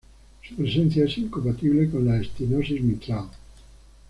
Su presencia es incompatible con la estenosis mitral.